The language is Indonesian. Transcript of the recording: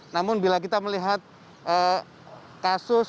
namun bila kita melihat kasus